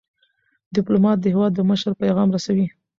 ډيپلومات د هیواد د مشر پیغام رسوي.